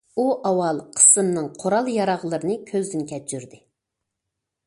ئۇ ئاۋۋال قىسىمنىڭ قورال- ياراغلىرىنى كۆزدىن كەچۈردى.